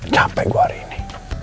capai gue hari ini